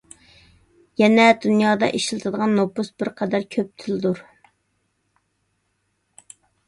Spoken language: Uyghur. يەنە دۇنيادا ئىشلىتىدىغان نوپۇس بىرقەدەر كۆپ تىلدۇر.